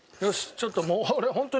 ちょっともう俺。